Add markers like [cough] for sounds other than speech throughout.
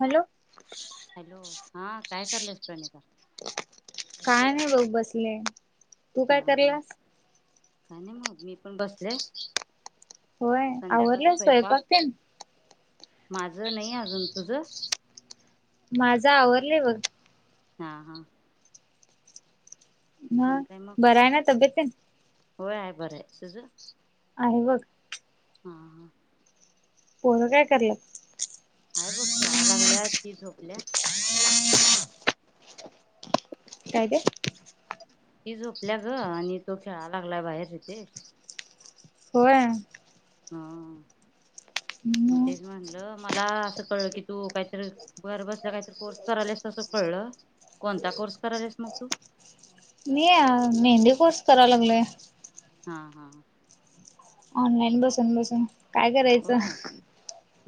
Hello. Hello हा काय करलंस प्रणता. काय नाही बघ बसले. तू हा काय हा करलास काय नाही मग मी पण बसले होय आवरडलं स्वयंपाक ते ना माझं नाही अजून तुझं माझा आवरले बघ हा हा ह आणि काय मग बराय ना तब्येत होय आहे बरं आहे तुझं आहे बघ हा हा पणं काय करलं आहेय बघ ख्या लागल्याी झोपल्या काय काे ती झोपल्या ग आणि तो खेळाला लागलाय बाहेरच इिथे होय हा मग हम्म तेच म्हणलं मला असं कळलं की तू काहीतरी घर बसल्या काहीतरी कोर्स करालास असं कळलं कोणता कोर्स करायलास मग तू मी या मेहंदी कोूस करायला लागलेय हा हा ऑनलाईन बसून बसून काय करायचं होय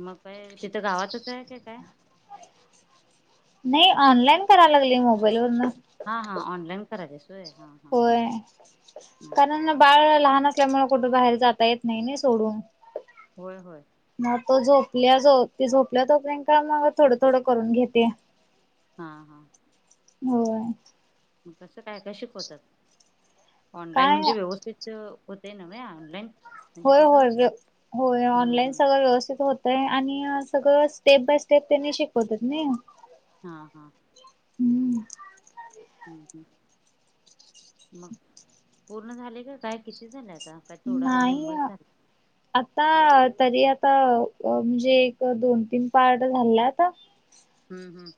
मग तिथं गावातच आहे का काय नाही ऑनलाईन कराय लागली मोबाईल वन हा हा ऑनलाईन करायलास होय हा हा होय होय कारण बाळ लहान असल्यामुळे फोटो बाहेर जाता येत नाही ना सोडून होय होय मग तो झोपल्या जो झोपल्या तोपर् का मग थोडं थोडं करून घेते हा हा होय मग कसं काय काय शिकवतात ऑनलाइन काय म्हणजे व्यवस्थित होते नवहे ऑनलाईन म्हणजे होय कसं होय होय हम्म ऑनलाईन हम्म सगळं व्यवस्थित होतय आणि सगळं स्टेप बाय स्टेप त्यांनी शिकवतात ना हा हा हम् ह मग पूर्ण झाले का काय किती झालेत नाही आता तरी आ आता म्हणजे एक दोन तीन पार्ट झाला आता हम्म हम्म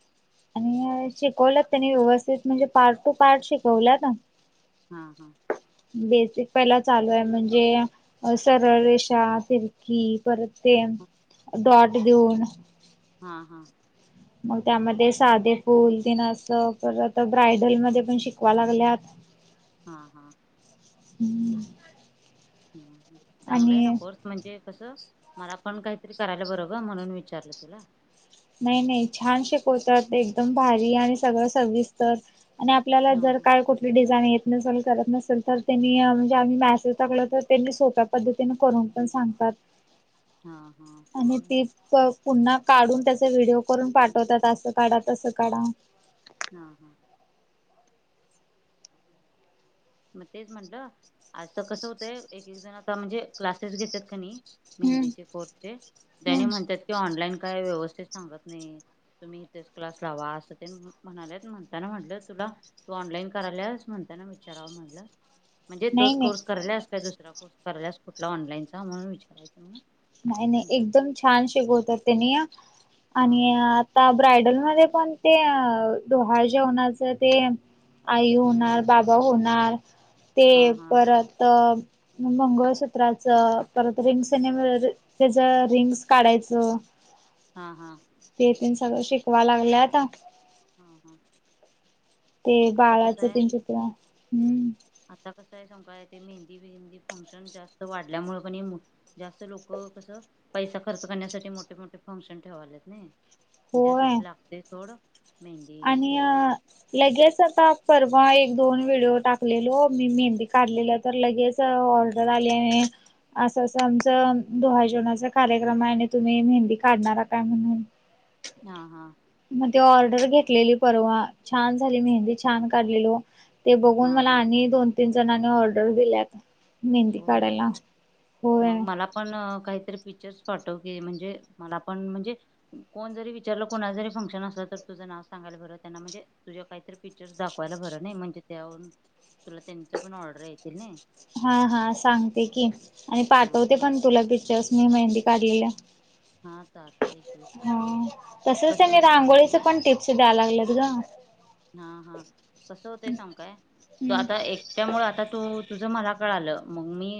आणि शिकवलंत त्यांनी व्यवस्थित म्हणजे पार्ट टू पार्ट शिकवला ना हा हा बेसिक पहिला चालू आहे म्हणजे सरळ रेषा सिरकी परत ते दॉट देऊन हा हा मग त्यामध्ये साधे फुल त ना अस परत ब्रायडल मध्ये पण शिकवा लागल्यात हा हा हम्म चांगलाय ना कोर्स म्हणजे कस मला आपण काहीतरी करायला बरोबबर म्हणून विचारलं तुला नाही नाही छान शिकवतात एकदम भारी आणि सगळं सविस्तर आणि आपल्याला हा जर हा काय कुठली डिझाईन येत नसेल त नसेल तर त्यांनी म्हणजे आम्ही मॅसेज टाकल तर त्यांनी सोप्या पद्धतीने करून पण सांगतात हा- हा आणि चालेल. ती-तो पुन्हा काढून त्याचा व्हिडिओ करून पाठवतात असं काढा तसं काढा हा -हा मग तेच म्हटलं आज तर कस होतंय एक -एक जण का म्हणजे क्लासेस घेत्यात कणी हम्म मेहंदीचे कोर्स तेन तेनी हम्म म्हणतात की ऑनलाइन काय व्यवस्था तुम्ही ते सांगत नाही तुम्ही इथेच क्लास लावा अस तेन‌ म्हणून म्हणाल्यात म्हटल तुला ऑनलाईन करायल्यास म्हणता ना विचारा म्हटलं म्हणजे नाही तोच नाही कोर्स करायलास काय दुसरा कराल्यास कुठला ऑनलानचा म्हणून विचारयच नाही -नाही एकदम छान शिकवतात त्यांनी हा आणि हा आता ब्रायडल झालय पण ते अ डोहाळजेवणाच ते आई हम्म होणार, हम्म बाबा होणार ते हा हा परत मंगळसूत्राचं परत रिंग सेनेमरी त्याच रिंग्स काढायचं हा- हा ते तेन सगळं शिकवा लागल्यात [inaudible] हा- हा [inaudible] ते आता कसं बाळाचं आहे तीन चित्र हुं.. आता कसं आहे सांगू काय ते मेहंदी- बेंदी फंक्शन जास्त वाढल्यामुळे कणी जास्त लोकं हो कस पैसा खर्च करण्यासाठी मोठे -मोठे फंक्शन ठेवल्यात नय. होय त्यासाठी लागतय सोड मेहंदी आणि कोर्स लगेच आता परवा एक दोन व्हिडिओ टाकलेलो मी मेहंदी काढलेलं तर लगेच ऑर्डर आली आणि असं -असं आमचं डोहाळे जेवणाचा कार्यक्रम आहे आणि तुम्ही मेहंदी काढणारा काय म्हणून? हा- हा मग ती ऑर्डर घेतलेली परवा छान झाली मेहंदी छान काढलेलो. ते बघून हा मला हा आणि दोन- तीन जणांनी ऑर्डर दिल्यात. मेहंदी होय काढायला होय. इमेजेस पाठव की म्हणजे मलापण म्हणजे कोण जरी विचारलं, कुणाचं जरी फंक्शन असलं तर तुझं नाव सांगायला बरं त्यांना म्हणजे तुझ्या काहीतरी पिक्चर्स दाखवायला बरं नाही म्हणजे त्यावरून तुला त्यांच पण ऑर्डर येतील नाई हा -हा सांगते की आणि हा पाठवते हा पण तुला पिक्चर्स मी मेहंदी काढ लेलं. हा चालतंय की हा [inaudible] तसच कसं तेनी रांगोळीच पण टिप्स दयालागलेत ग हा -हा कसं होतंय सांगू काय तू हम्म. आता एकट्या मूळ आता तू तुझं मला कळालं मग मी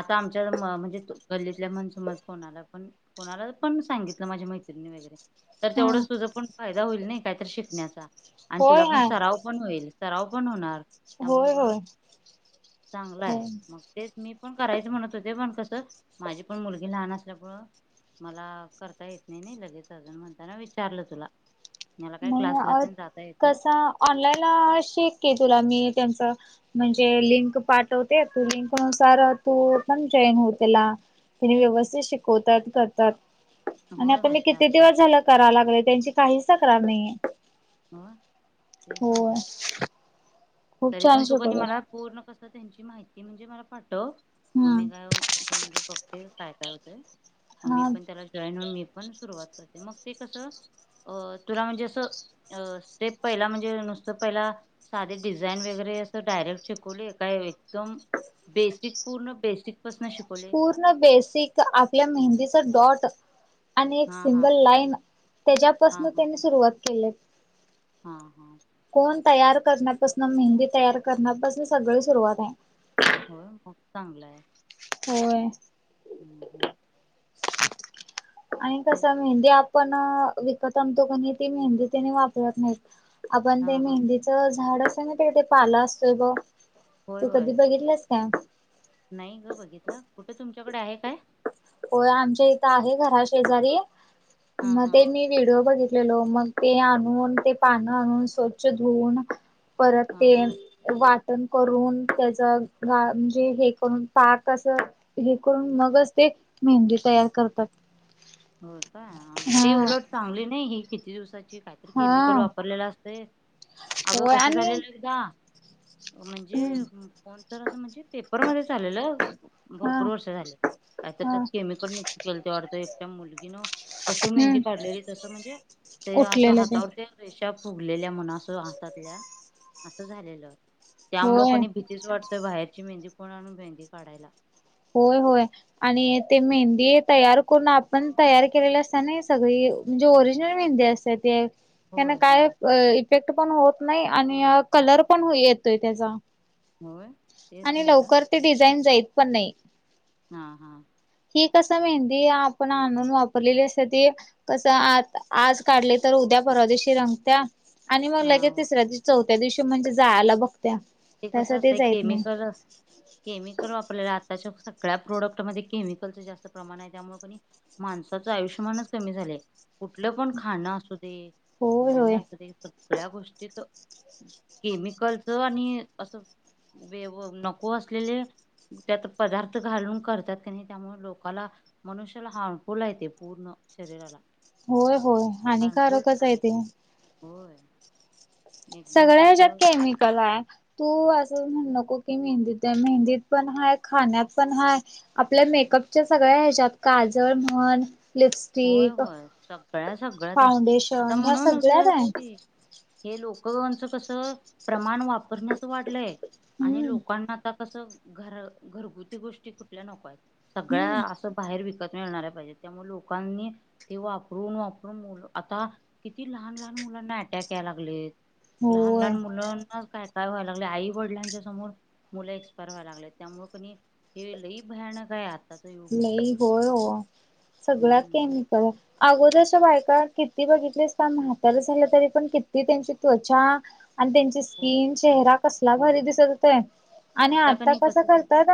आता आमच्या म्हणजे तू गल्लीतल्या म्हण कोणाला पण, कोणाला पण सांगितलं माझ्या माहि नी वगैरे तर हा तेवढंच तुझ पण फायदा होईल नाही काहीतर शिकण्याचा आणि होय तुला पण हाय सराव पण होईल. सराव पण होणार होय त्यामुगळं होय. चांगलं आहे, होय. मग तेच मी पण करायच म्हणत होते पण कस माझी पण मुलगी लहान अस त्यामुळं मला करता येत नाही लगेचच म्हणताना विचारलं तुला मला काय नाही क्लासला अ तेन जात कसं ऑनलाईनला शिक की तुला मी त्याचं म्हणजे लिंक पाठवते तू लिंकनुसार तू पण जॉइन होऊ पला तेनी व्यवस्थित शिकवतात, करतात. आणि होय आता होय मी किती चालतंय दिवस झालं करा लागलोय त्यांची काहीच तक्रार नाहीये. [inaudible] ह तेच होय म्हटलं खूप तरी छान पण तू क नई शिकवतात. मला पूर्ण कस त्यांची माहिती म्हणजे मला पाठव मग मी हम्म काय म्हणजे बघते काय- काय होतय. मग मी हा पण त्याला जॉईन होऊन मी पण सुरुवात करते मग ते कसं अ तुला म्हणजे असं अ स्टेप पहिला म्हणजे नुसतं पहिला साधे डिझाईन वगैरे असं डायरेक्ट शिकवले काय? एकदम बेसिक, पूर्ण बेसिक पासन शिकवले पूर्ण बेसिक आपल्या मेहंदीच डॉट आणि एक हा हा सिंगल लाईन हा त्याच्यापासून हा त्यांनी सुरुवात केलय हा हा तयार करण्यापासंन मेहंदी तयार करण्यापासन सगळी सुरुवात आहे. चांगलंय होय हम्म हम्म. आणि कस तेच मेहंदी आपण विकत आणतो क नाही ती मेहंदी त्याने वापरत नाहीत. आपण हा ते हा मेहंदीचं झाड असत ना, ते ते पाला असतोय ब होय तू होय कधी बघितल्यास काय त्याच्याकडे आहे काय? होय आमच्या इथं आहे घरा शेजारी हा मग हा ते मी व्हिडिओ बघित मग ते आणून ते पानं आणून स्वच्छ धुऊन परत हा ते हा वा करून त्याचा, म्हणजे हे करून पार्क असं हे करून मगच ते मेहंदी तयार करतात. हो, काय ते हा उलट चांगली नाही ह किती दिवसाची काहीतरी केमिकल हा वापरलेलं असतं, अगं होय कसं आणि झालेलं एकदा म्हणजे हम्म कोण तर असं म्हणजे पेपरमध्येध्ये चालेलं हा भरपूर वर्ष झाले कायत तर त्यात हा केमिकल मिक्स केलंते वाढत. त्या मुलगीनं कस मेहंदी हम्म पाडलेली, तसं म्हणजे ते असं उठलेलं ते हातावर रेषा फुगलेल्या म्हण असं हातातल्या असं झालेलं त्यामुळे होय. कोणी भीतीच वाटतय बाहेरची मेहंदी कोण आणून मेहंदी काढायला होय, होय, आणि ते मेहंदी तयार करून आपण तयार केलेले असता नई सगळी म्हणजे ओरिजिनल मिळतय अस ते त्याने होय काय होय इफेक्ट पण होत नाही, आणि कलर पण येतोय त्याचा होय तेच आणि म्हटलं लवकर ते डिझाईन जाईत पण नाही. हा हा. कस मेहंदी आपण आणून, वापरलेली असत्या ती कस आज काढले तर उद्या परवा दिवशी रंगत्या, आणि मग हा लगे हो तिसऱ्या दिवशी चौथ्या दिवशी म्हणजे जायला बघ ते कसं असतंय केमिकल केमिकल वापरल्याल असतय आत्ताच्या सगळ्या प्रोडक्टमध्ये केमिकलच जास्त प्रमाण आहे, त्यामुळे पण माणसाचं आयुष्यमानच कमी झालय. कुठलं पण खाणं अस होय धान्य होय असत ते सगळ्या गोष्टीत केमिकलच आणि असं वे नको असलेले त्यात पदार्थ घालून करतात, त्यांनी त्यामुळे लोकाला मनुष्याला हार्मफुल य तेे पूर्ण शरीरला होय होय आणि हानिकारकच आहे ते. होय एकदम सगळ्या ह्याच्यात कसं केमिकल आहे. तू असं म्हण नको, की मेहंदीत पण हाय मेहंदीत पण हाय, खाण्यात पण हाय, आपल्या मे कपच्या सगळ्या ह्याच्यात काजळ म्हण होय, लिपस्टिक होय, सगळ्या सगळ्यात हाय, आता फाउंडेशन ह्या म्हणूनच सगळ्यात होत आहे की हे लोकचं कस प्रमाण वापरण्याच वाढलंय आणि हम्म लोकांना आता कस घर घरगुती गोष्टी कुठल्या नको आहेत सगळ्या हम्म असं बाहेर विकत मिळणा्या पाहिजे त्यामुळे लोक लोकांनी ते वापरून वापरून मु आता किती लहान लहान मुलांना अटॅक यायला लागलेत लहान लहान होय. मुलं काय व्हाय लागलय, आई वडिलांच्या समोर मुलं एक्सपायर व्हाय लागल्यात त्यामुळे की नई [unintelligible] [inaudible] नाही, होय सगळ्या हम्म. केमिकल अगोदरच्या बायका किती बघितलीस का म्हातार झालं तरी पण किती त्यांची त्वचा आणि त्यांची हो स्किन चेहरा कसला भारी होय दिसत होतोय आणि आता कणी कस कसं झालंय करतात,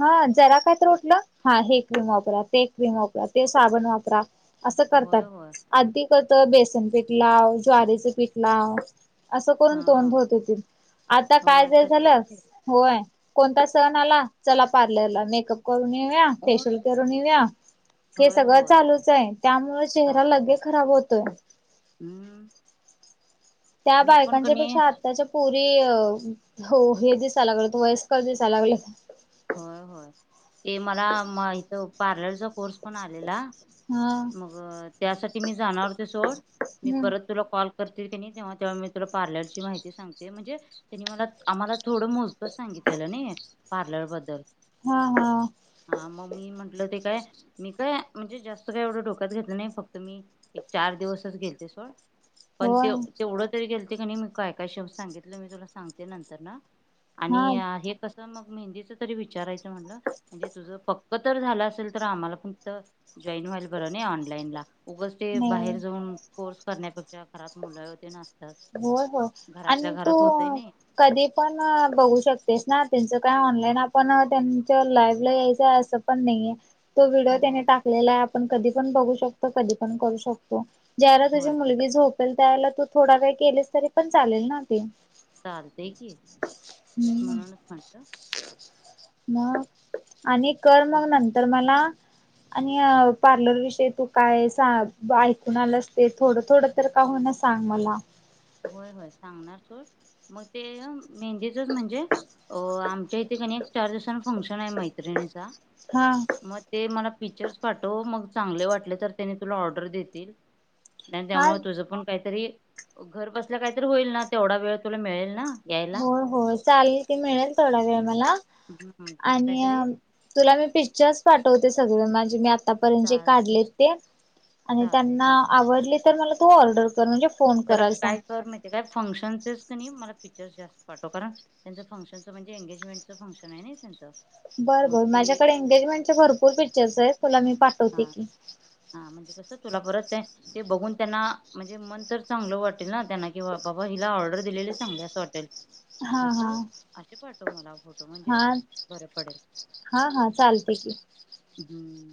ह जरा काय तर उठ हा, हे क्रीम वापरा, ते कम वापरा, ते साबण वापरा असं करतात होय होय आधी कस, बेसन पिठ लाव, ज्वारीच पिठ लाव असं करून हा तोंड धुवत येतील, आता काय होय जाय तसच झालं होय कोणता सण आला चला पार्लरला, मेकअप करून येऊया, होय. फेशियल करून येऊया हे होय सगळ होय चालूच ये, त्यामुळे चेहरा लगेच खराब होतो. हुं त्या बायकांच्या पेक्षा आताच्या पोर हो हे दिसाय लागल वयस्क दिसायला लागल्यात होय होय, ते मला मा इथ पार्लरचा कोर्स पण आलेला हा मग, त्यासाठी मी जाणार ओते सोड, मी हम्म परत तुला कॉल करते त्यांनी तेव्हा तेव्हा मी तुला पार्लरची माहिती सांगते म्हणजे त्यांनी मला आम्हाला थोडं मोजक सांगितलेल नायी, पार्लर बद्दल हा हा हा मग, ममी म्हंटल ते काय मी काय म्हणजे जास्त काही एवढ डोक्यात घेतल नयी फक्त मी एक चार दिवसच गेलते सोड पण ते होय तेवढ तरी गेलते क नइ मी, काय काय शब सांगितल मी तुला सांगते नंतर न हा आणि या हे कस मग मेहंदीच तरी विचारायच म्हणल म्हणजे तुझ पक्क तर झाल असेल तर आम्हाला फक्त [unintelligible] बर नई ऑनलाईन ला उगाच ते बाहेर जाऊन कोर्स करण्या हो हो घरातल्या आणि तू घरात होतय नाही कधी पण ब होऊ शकतेस ना त्यांच काय ऑनलाईन आपण त्यांच लाईव ला यायच अस पण नईये. तो व्हिडिओ त्याने होय टाकलेला आहे आपण कधी पण बघू शकतो कधी पण करू शकतो. ज्याला तुझी होय मुलगी झोपेल त्या वेयेला तू थोडा वेळ केलेस तरी पण चालेल ना ते? चालतेय की तेच हम्म म्हणून च मग आणि कर मग आणि नंतर मला आणि पार्लर विषयी तू काय सा ऐकून आलास ते थोड थोड तर का हो ना सांग मला. होय होय सांगणार सो मग ते मेहंदीचच म्हणजे अ आमच्या इथे [unintelligible] चार दिवसा फंक्शन आहे मैत्रिणीचा हा म ते मला फीचर्स पाठव मग चांगले वाटले तर त्याने तुला ऑर्डर देतील. आणि हा त्यामुळे तुझ पण काईतरी घर बसल्या काई तरी होईल ना तेवढा वेळ तुला मिळेल ना. यायला हो हो चालेल की मिळेल थोडा वेळ मला. हम्म, तिचं आणि अ काहीतरी तुला मी पिक्चर्स पाठवते सगळे माझे मी आ आतापर्यंत जे चालते काढले ते आणि चालते त्यांना चालते आवडले तर मला तू ऑर्डर कर म्हणजे फोन जरा करायला सांग काय कर नायित काय फंक्शनस का नायी मला पिक्चर्स जास्त पाठो कारण त्यांच फंक्शनच म्हणजे एंगेजमेंटच फंक्शन आहे ना त्यांच. बर बर माझ्याकडे एंगेजमेंटचे भरपूर पिक्चर्स ये तुला मी पाठवते की स तुला परत ते बघून त्यांना म्हणजे मन तर चांगल वाटेल ना त्यांना की बा हिला ऑर्डर ग वाटेल हा अस हा असे पाठव मला फो हा हा हा चालते की हम्म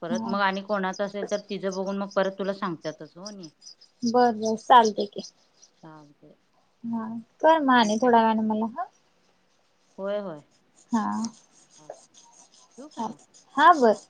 परत हा मग आणि कोणात असेल तर तिज बघून मग परत तुला सांगतातच होन्य बर बर चालते की हाव ते हा कर माणे थोड्या वेळाने मला ह होय होय हा चालतंय. ठेवू काय ह मग हा बस.